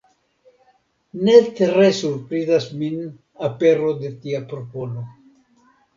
Ne tre surprizas min apero de tia propono.